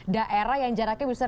daerah yang jaraknya bisa